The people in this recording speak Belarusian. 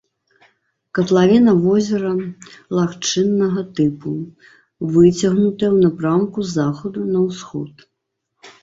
Катлавіна возера лагчыннага тыпу, выцягнутая ў напрамку з захаду на ўсход.